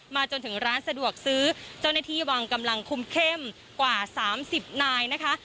จนถึงร้านสะดวกซื้อเจ้าหน้าที่วางกำลังคุมเข้มกว่า๓๐นายนะคะ